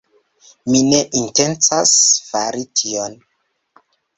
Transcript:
Mi ne intencas fari tion!